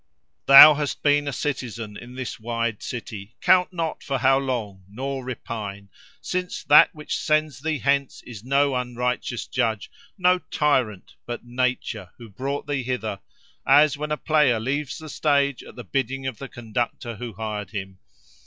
"Thou hast been a citizen in this wide city. Count not for how long, nor repine; since that which sends thee hence is no unrighteous judge, no tyrant, but Nature, who brought thee hither; as when a player leaves the stage at the bidding of the conductor who hired him.